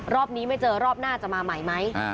รอบนี้ไม่เจอรอบหน้าจะมาใหม่ไหม